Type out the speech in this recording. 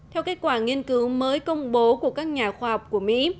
theo kết quả nghiên cứu mới công bố của các nhà khoa học của mỹ